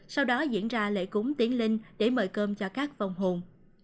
sau đó diễn ra lễ cúng tiến linh để mời cơm cho các phong hồn